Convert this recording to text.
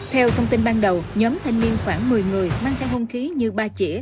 theo thông tin ban đầu nhóm thanh niên khoảng một mươi người mang theo hôn khí như ba chỉa